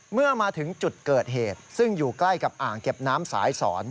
เมื่อมาถึงจุดเกิดเหตุซึ่งอยู่ใกล้กับอ่างเก็บน้ำสายสอน